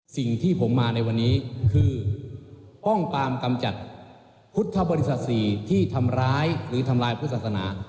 สิ่งที่ผมมาในวันนี้คือป้องปรามกำจัดพุทธบริษัท๔ที่ทำร้ายหรือทำลายพุทธศาสนา